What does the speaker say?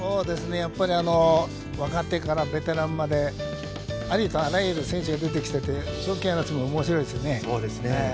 やっぱり若手からベテランまで、ありとあらゆる選手が出てきていて賞金争いも面白いですね。